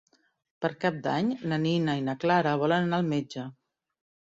Per Cap d'Any na Nina i na Clara volen anar al metge.